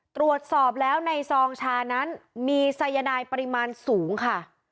ตรวจสอบแล้วในซองชานั้นมีสายนายปริมาณสูงค่ะ